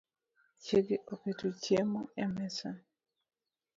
Chiege oketo chiemo e mesa